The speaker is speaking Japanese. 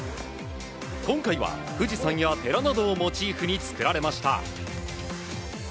今回は富士山や寺などをモチーフに作られました。